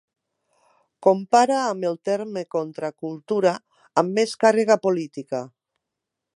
Compara amb el terme contracultura, amb més càrrega política.